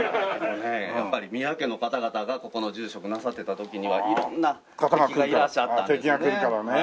やっぱり宮家の方々がここの住職なさってた時には色んな敵がいらっしゃったんですね。